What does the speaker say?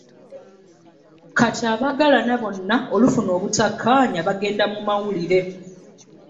Kati abaagalana bonna olufuna obutakkaanya bagenda mu mawulire.